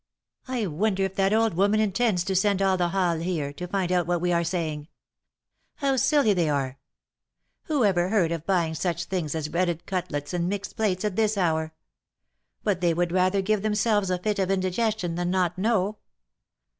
I wonder if that old woman intends to send all the Halles here, to find out what we are saying ? How silly they are ! Who ever heard of buying such things as breaded cutlets and mixed plates at this hour ? But they would rather give them selves a fit of indigestion than not know.